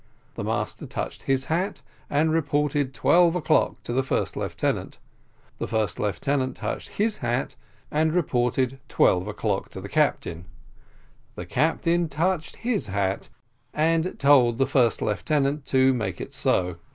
The master touched his hat, and reported twelve o'clock to the first lieutenant the first lieutenant touched his hat, and reported twelve o'clock to the captain the captain touched his hat, and told the first lieutenant to make it so.